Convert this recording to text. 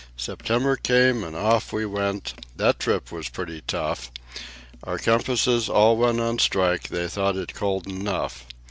September came and off we went that trip was pretty tough; Our compasses all went on strike, they thought it cold enough.